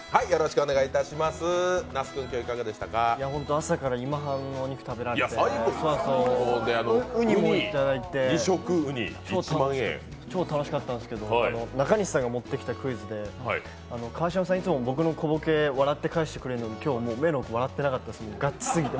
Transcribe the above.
朝から今半のお肉食べられてウニもいただいて超楽しかったんですけど、中西さんが持ってきたクイズで、川島さん、いつも僕の小ボケ笑って返してくれるのに、今日、目も笑ってなかったです、ガチすぎて。